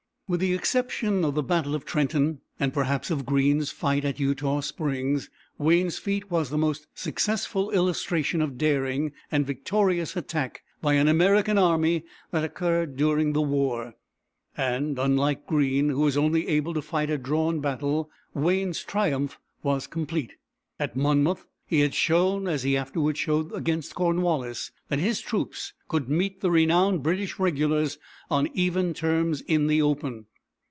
With the exception of the battle of Trenton, and perhaps of Greene's fight at Eutaw Springs, Wayne's feat was the most successful illustration of daring and victorious attack by an American army that occurred during the war; and, unlike Greene, who was only able to fight a drawn battle, Wayne's triumph was complete. At Monmouth he had shown, as he afterward showed against Cornwallis, that his troops could meet the renowned British regulars on even terms in the open.